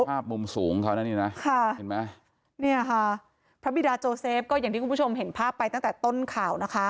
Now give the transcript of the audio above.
ภาพมุมสูงเขานะนี่นะค่ะเห็นไหมเนี่ยค่ะพระบิดาโจเซฟก็อย่างที่คุณผู้ชมเห็นภาพไปตั้งแต่ต้นข่าวนะคะ